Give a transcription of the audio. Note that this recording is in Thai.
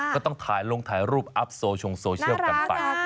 ก็ต้องถ่ายลงถ่ายรูปอัพโซชงโซเชียลกันไป